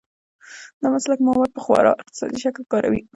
دا مسلک مواد په خورا اقتصادي شکل کاروي.